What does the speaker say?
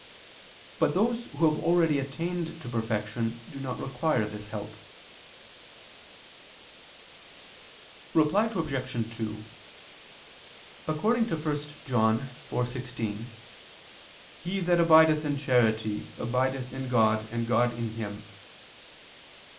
But those who have already attained to perfection do not require this help. Reply Obj. 2: According to 1 John 4:16, "He that abideth in charity abideth in God and God in him."